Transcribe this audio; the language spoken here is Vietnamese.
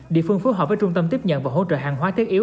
địa phương phối hợp với trung tâm tiếp nhận và hỗ trợ hàng hóa thiết yếu